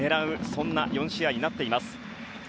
そんな４試合になっています。